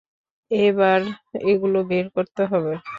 এবার এগুলো বের করতে হবে।